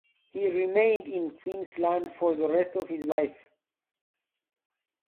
He remained in Queensland for the rest of his life.